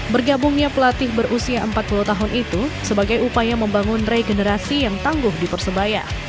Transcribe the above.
bergabungnya pelatih berusia empat puluh tahun itu sebagai upaya membangun regenerasi yang tangguh di persebaya